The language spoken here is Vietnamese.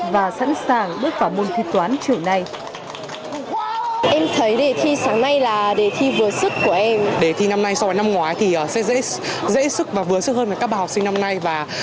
và sẵn sàng bước vào môn thi toán trưởng này